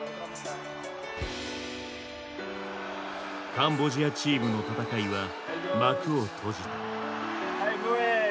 カンボジアチームの戦いは幕を閉じた。